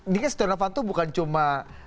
ini kan setia noh kanto bukan cuma